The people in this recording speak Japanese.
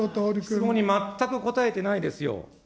質問に全く答えてないですよ。